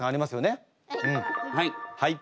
はい。